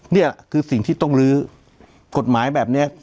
นี่คือสิ่งที่ต้องลื้อกฎหมายแบบนี้